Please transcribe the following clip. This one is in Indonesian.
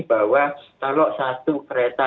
bahwa kalau satu kereta